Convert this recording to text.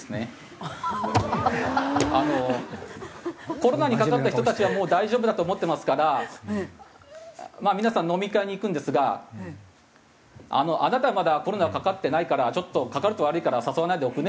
コロナにかかった人たちはもう大丈夫だと思ってますからまあ皆さん飲み会に行くんですが「あなたはまだコロナかかってないからちょっとかかると悪いから誘わないでおくね」